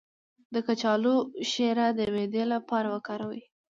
د کچالو شیره د معدې لپاره وکاروئ